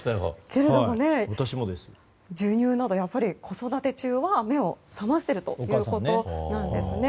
けれども授乳など子育て中は目を覚ましているということなんですね。